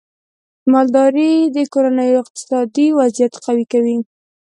مالدارۍ د کورنیو اقتصادي وضعیت قوي کوي.